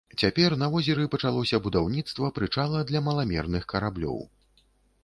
Цяпер на возеры пачалося будаўніцтва прычала для маламерных караблёў.